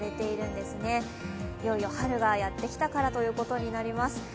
いよいよ春がやってきたからということになります。